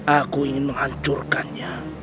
aku ingin menghancurkannya